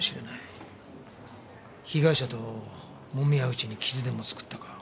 被害者ともみ合ううちに傷でも作ったか。